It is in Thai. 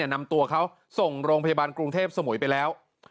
นำตัวเขาส่งโรงพยาบาลกรุงเทพสมุยไปแล้ว